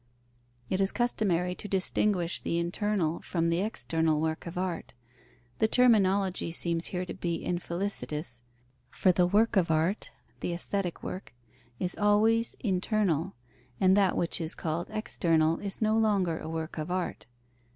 It is customary to distinguish the internal from the external work of art: the terminology seems here to be infelicitous, for the work of art (the aesthetic work) is always internal; and that which is called external is no longer a work of art.